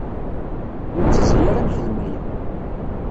Ur nettezzi ara ad nexdem aya.